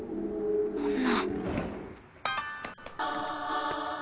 そんな。